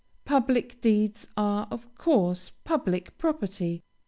Public deeds are, of course, public property.